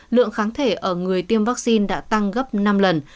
lượng kháng thể ở người tiêm vaccine đã tăng gấp năm lần